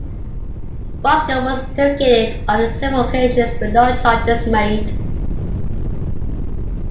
Bosco was interrogated on several occasions, but no charges made.